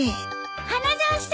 ・花沢さん！